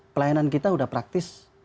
pelayanan kita sudah praktis